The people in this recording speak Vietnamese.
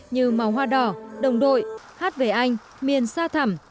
như màu hoa đỏ đồng đội hát về anh miền sa thẩm